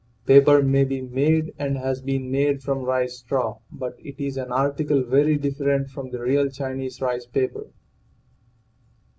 Paper may be made and has been made from rice straw, but it is an article very different from the real Chinese "rice paper."